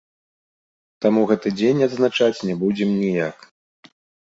Таму гэты дзень адзначаць не будзем ніяк.